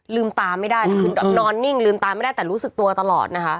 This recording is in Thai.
ลืมตาไม่ได้แล้วคือนอนนิ่งลืมตาไม่ได้แต่รู้สึกตัวตลอดนะคะ